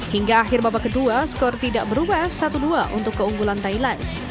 hingga akhir babak kedua skor tidak berubah satu dua untuk keunggulan thailand